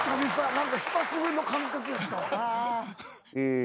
何か久しぶりの感覚やったわ。